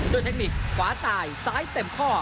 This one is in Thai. เทคนิคขวาตายซ้ายเต็มข้อ